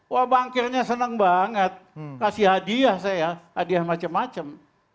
wah bankirnya seneng banget kasih hadiah saya hadiah macem macem